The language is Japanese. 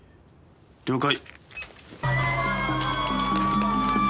了解。